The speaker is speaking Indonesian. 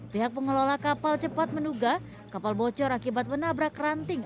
pihak pengelola kapal cepat menduga kapal bocor akibat menabrak ranting